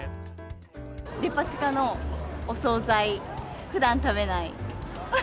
デパ地下のお総菜、ふだん食べない。